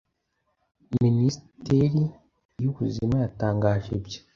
Minisiteri y’Ubuzima yatangaje ibyo